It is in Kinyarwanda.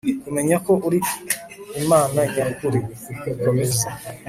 kumenya ko uri imana nyakuri; komeza